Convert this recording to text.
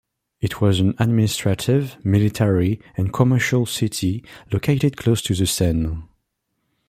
It was an administrative, military and commercial city located close to the Seine.